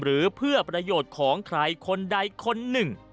หรือเพื่อประโยชน์ของใครคนใดคนหนึ่ง